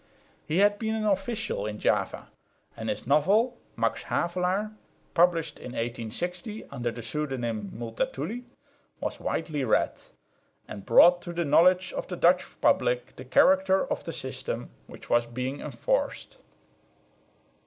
He had been an official in Java, and his novel Max Havelaar, published in 1860 under the pseudonym "Multatuli," was widely read, and brought to the knowledge of the Dutch public the character of the system which was being enforced.